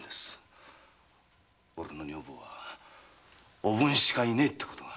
俺の女房はおぶんしかいないってことが。